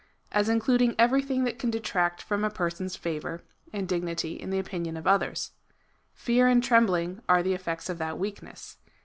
5, 9, 10,) as includ ing everything that can detract from a person's favour and dignity in the opinion of others. Fear and trembling are the effects of that weakness.